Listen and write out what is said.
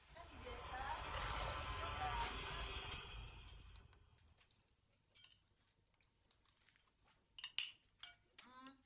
kan di biasa